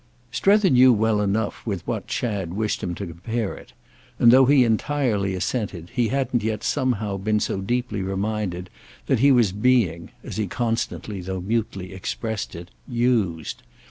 Strether knew well enough with what Chad wished him to compare it, and though he entirely assented he hadn't yet somehow been so deeply reminded that he was being, as he constantly though mutely expressed it, used.